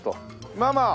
ママ。